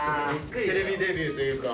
テレビデビューというか。